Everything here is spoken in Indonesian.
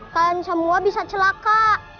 kalian semua bisa celaka